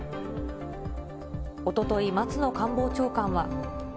おととい、松野官房長官は。